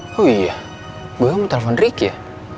oh iya gua yang mau telepon ricky ya